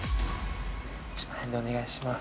１万円でお願いします。